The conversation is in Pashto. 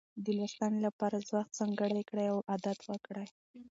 د لوستنې لپاره وخت ځانګړی کړئ او عادت وکړئ.